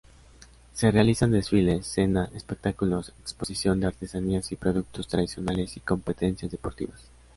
Se realizan desfiles, cena, espectáculos, exposición de artesanías y productos tradicionales y competencias deportivas.